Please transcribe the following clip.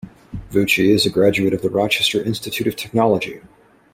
Vucci is a graduate of the Rochester Institute of Technology.